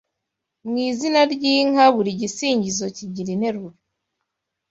Mu izina ry’inka buri gisingizo kigira interuro